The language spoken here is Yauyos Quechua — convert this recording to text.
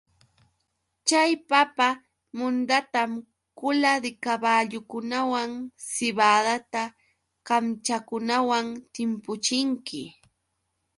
Chay papa mundatam kula de kaballukunawan sibada kamchakunawan timpuchinki.